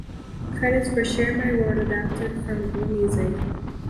Credits for "Share My World" adapted from Allmusic.